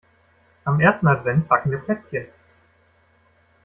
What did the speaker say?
Am ersten Advent backen wir Plätzchen.